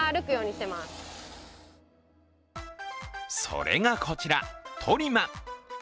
それがこちら、トリマ。